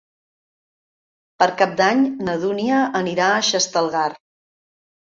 Per Cap d'Any na Dúnia anirà a Xestalgar.